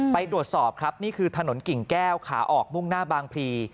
ไปตรวจสอบครับนี่คือถนนกิ่งแก้วขาออกมุ่งหน้าบางพลี